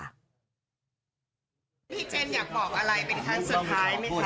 พี่เจนอยากบอกอะไรเป็นครั้งสุดท้ายไหมคะ